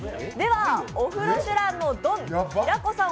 「オフロシュラン」のドン・平子さん